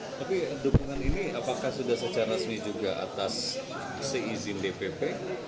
tapi dukungan ini apakah sudah secara resmi juga atas seizin dpp